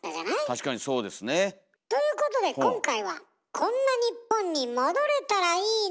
確かにそうですね。ということで今回はこんな日本に戻れたらいいなという希望を込めて。